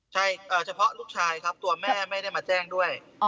ใช่เฉพาะลูกชายครับตัวแม่ไม่ได้มาแจ้งด้วย